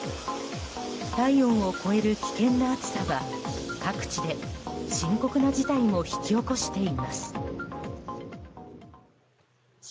体温を超える危険な暑さは各地で深刻な事態も引き起こしています。